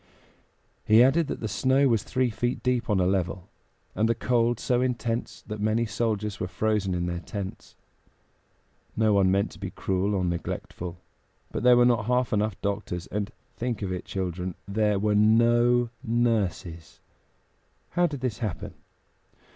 He added that the snow was three feet deep on a level, and the cold so intense that many soldiers were frozen in their tents. No one meant to be cruel or neglectful; but there were not half enough doctors, and think of it, children! there were no nurses. How did this happen?